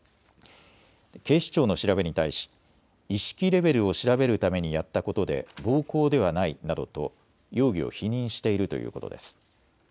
警視庁の調べに対し意識レベルを調べるためにやったことで暴行ではないなどと容疑を否認しているということです。